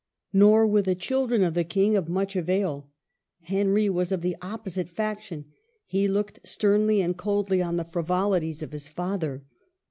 Nor were the children of the King of much avail. Henry was of the opposite faction ; he looked sternly and coldly on the frivolities of his father.